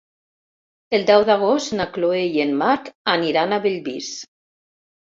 El deu d'agost na Chloé i en Marc aniran a Bellvís.